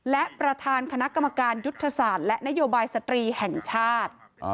และประธานคณะกรรมการยุทธศาสตร์และนโยบายสตรีแห่งชาติ